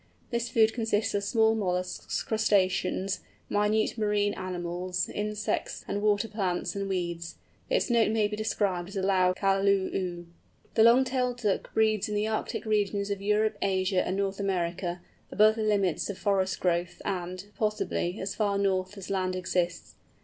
This food consists of small molluscs, crustaceans, minute marine animals, insects, and water plants, and weeds. Its note may be described as a loud cal loo oo. The Long tailed Duck breeds in the Arctic regions of Europe, Asia, and North America, above the limits of forest growth, and, possibly, as far north as land exists.